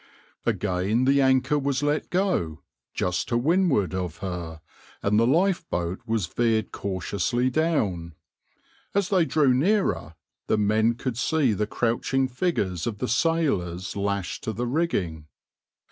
\par Again the anchor was let go, just to windward of her, and the lifeboat was veered cautiously down. As they drew nearer, the men could see the crouching figures of the sailors lashed to the rigging.